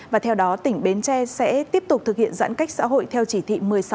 và theo đó tỉnh bến tre sẽ tiếp tục thực hiện giãn cách xã hội theo chỉ thị một mươi sáu